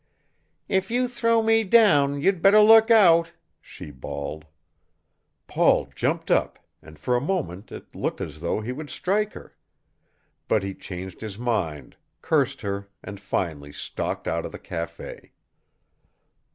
"If you throw me down you'd better look out," she bawled. Paul jumped up, and for a moment it looked as though he would strike her. But he changed his mind, cursed her, and finally stalked out of the café.